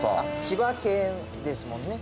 千葉県ですもんね。